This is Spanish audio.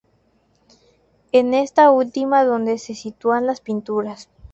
Es en esta última donde se sitúan las pinturas.